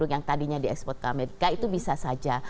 yang tadinya diekspor ke amerika itu bisa saja